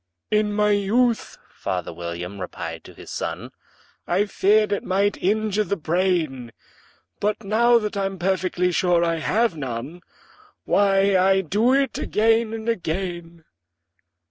"In my youth," father William replied to his son, "I feared it might injure the brain; But, now that I'm perfectly sure I have none, Why, I do it again and again."